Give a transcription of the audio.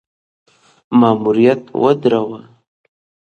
ماموریت ودراوه.